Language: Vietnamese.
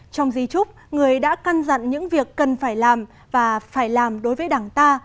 trong di trúc người đã căn dặn những việc cần phải làm và phải làm đối với đảng ta